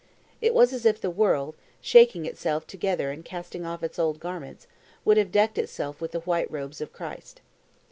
It was as if the world, shaking itself together and casting off its old garments, would have decked itself with the white robes of Christ."